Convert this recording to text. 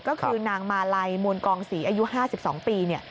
ก็คือนางมาลัยมวลกองศรีอายุ๕๒ปี